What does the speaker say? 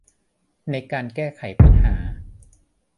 ในการแก้ไขปัญหา